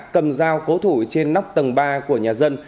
cầm dao cố thủ trên nóc tầng ba của nhà dân